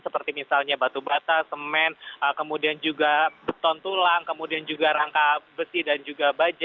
seperti misalnya batu bata semen kemudian juga beton tulang kemudian juga rangka besi dan juga baja